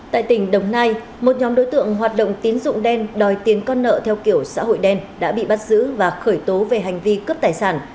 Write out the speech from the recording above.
tại tỉnh đồng nai một nhóm đối tượng hoạt động tín dụng đen đòi tiền con nợ theo kiểu xã hội đen đã bị bắt giữ và khởi tố về hành vi cướp tài sản